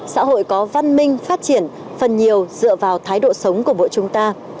xã hội có văn minh phát triển phần nhiều dựa vào thái độ sống của mỗi chúng ta